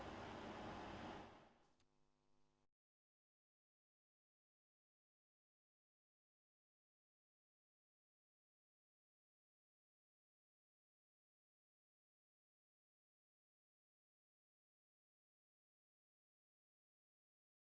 theo bà hiền bảo mẫu bảo hành trẻ mới làm việc tại cơ sở mầm non này khoảng hai tháng